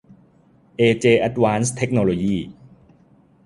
เอเจ แอดวานซ์ เทคโนโลยี